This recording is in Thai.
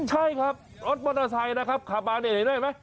ใช่ครับรถมอเตอร์ไซค์นะครับขับมาเนี่ยเห็นไหม